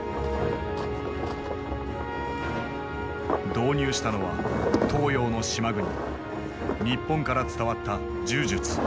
導入したのは東洋の島国日本から伝わった柔術。